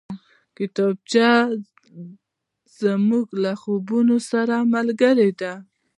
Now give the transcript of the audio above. کتابچه زموږ له خوبونو سره ملګرې ده